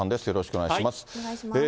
よろしくお願いします。